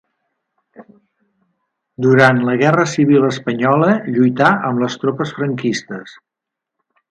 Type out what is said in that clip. Durant la guerra civil espanyola lluità amb les tropes franquistes.